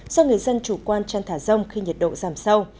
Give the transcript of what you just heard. do người dân chủ quan chăn thả rông khi nhiệt độ giảm sâu